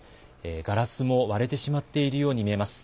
ガラスも割れてしまっているように見えます。